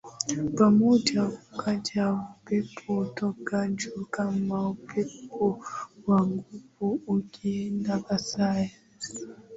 pamoja Ukaja upepo toka juu kama upepo wa nguvu ukienda kasi